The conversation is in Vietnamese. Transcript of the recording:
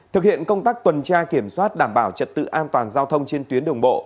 thực hiện công tác tuần tra kiểm soát đảm bảo trật tự an toàn giao thông trên tuyến đường bộ